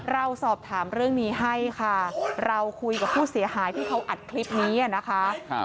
เราสอบถามเรื่องนี้ให้ค่ะเราคุยกับผู้เสียหายที่เขาอัดคลิปนี้นะคะ